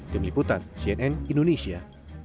tim liputan cnn indonesia